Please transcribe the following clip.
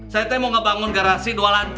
saya mau ngebangun garasi dua lantai